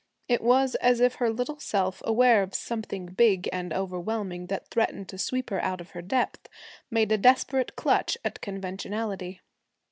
It was as if her little self, aware of something big and overwhelming that threatened to sweep her out of her depth, made a desperate clutch at conventionality.